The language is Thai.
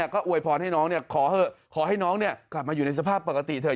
ก็อวยพรให้น้องขอให้น้องกลับมาอยู่ในสภาพปกติเถอ